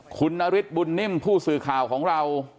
คุณนฤทธิบุญนิ่มผู้สื่อข่าวของเรา